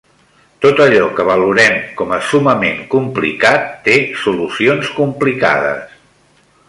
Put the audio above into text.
Tot allò que valorem com a summament complicat té solucions complicades.